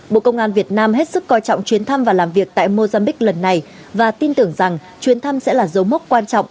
bộ công an việt nam hết sức coi trọng chuyến thăm và làm việc tại mozambique lần này và tin tưởng rằng chuyến thăm sẽ là dấu mốc quan trọng